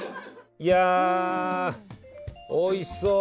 いやおいしそう。